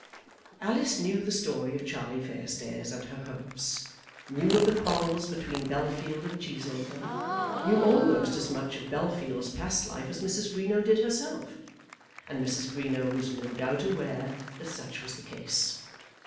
Alice knew the story of Charlie Fairstairs and her hopes; knew of the quarrels between Bellfield and Cheesacre; knew almost as much of Bellfield's past life as Mrs. Greenow did herself; and Mrs. Greenow was no doubt aware that such was the case.